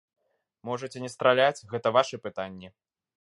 Можаце не страляць, гэта вашы пытанні.